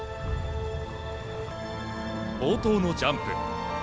冒頭のジャンプ。